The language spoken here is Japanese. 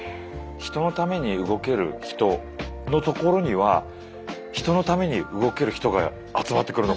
人のために動ける人のところには人のために動ける人が集まってくるのかな。